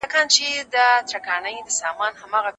• پرلهپسې پیغامونه مه لېږه.